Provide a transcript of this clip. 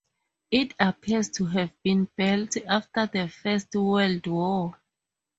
It appears to have been built after the First World War.